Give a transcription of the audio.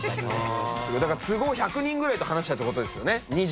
だから都合１００人ぐらいと話したって事ですよね？